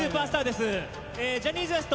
ジャニーズＷＥＳＴ